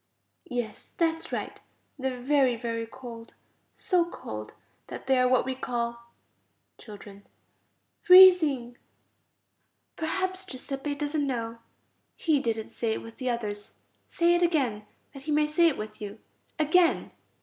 Yes, that's right. They are very, very cold, so cold that they are what we call ... Children. Freezing. Perhaps Giuseppe doesn't know. He didn't say it with the others. Say it again, that he may say it with you. Again.